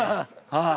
はい！